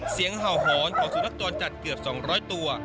เสียงห่าวหอนของสุนัขกรจัดเกือบสองร้อยตัว